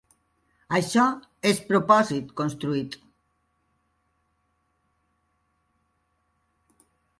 Això és propòsit construït.